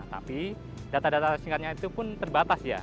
tapi data data singkatnya itu pun terbatas ya